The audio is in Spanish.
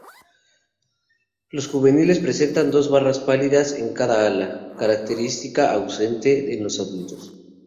Los juveniles presentan dos barras pálidas en cada ala, característica ausente en los adultos.